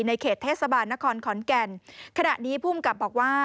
ในเขตเทศบาลนครคอนแกนขณะนี้ผู้กำกับบอกว่า